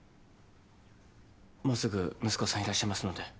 もうすぐ息子さんいらっしゃいますので。